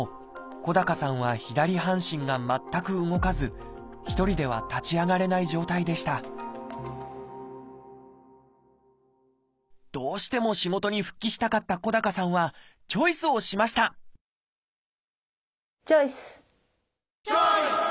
小高さんは左半身が全く動かず一人では立ち上がれない状態でしたどうしても仕事に復帰したかった小高さんはチョイスをしましたチョイス！